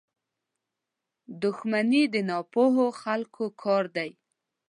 • دښمني د ناپوهو خلکو کار دی.